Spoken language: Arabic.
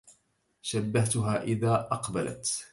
شبهتها إذ أقبلت